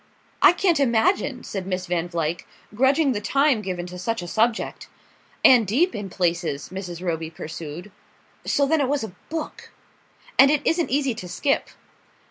"I can't imagine," said Miss Van Vluyck, "grudging the time given to such a subject." "And deep in places," Mrs. Roby pursued; (so then it was a book!) "And it isn't easy to skip."